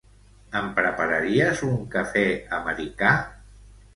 Em prepararies un cafè americà?